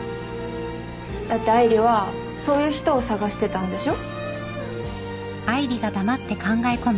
だって愛梨はそういう人を探してたんでしょ？